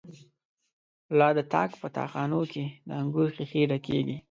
لا د تاک په تا خانو کی، دانګور ښيښی ډکيږی